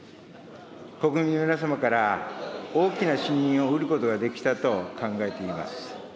国民の皆様から大きな信任を得ることができたと考えています。